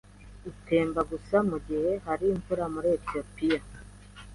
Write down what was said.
itemba gusa mugihe hari imvura muri Etiyopiya